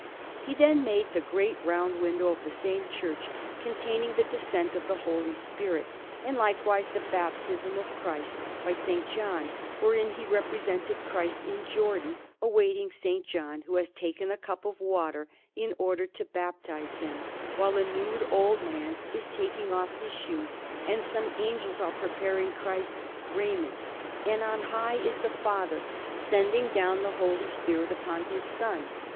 He then made the great round window of the same church, containing the Descent of the Holy Spirit, and likewise the Baptism of Christ by S. John, wherein he represented Christ in the Jordan, awaiting S. John, who has taken a cup of water in order to baptize Him, while a nude old man is taking off his shoes, and some angels are preparing Christ's raiment, and on high is the Father, sending down the Holy Spirit upon His Son.